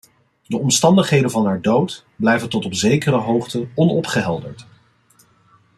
De omstandigheden van haar dood blijven tot op zekere hoogte onopgehelderd.